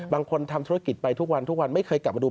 บางคนทำธุรกิจไปทุกวันไม่เคยกลับมาดู